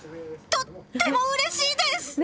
とってもうれしいです！